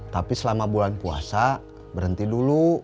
tapi selama bulan puasa berhenti dulu